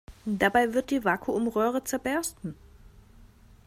Dabei wird die Vakuumröhre zerbersten.